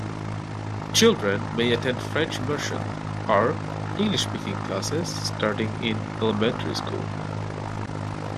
Children may attend French immersion or English speaking classes starting in elementary school.